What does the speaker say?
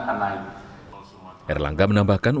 air langga menambahkan untuk menjaga ekonomi ekonomi